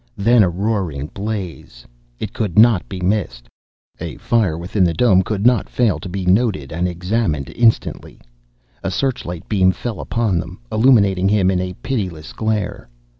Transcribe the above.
Then a roaring blaze! It could not be missed! A fire within the dome could not fail to be noted and examined instantly! A searchlight beam fell upon them, illuminating him in a pitiless glare.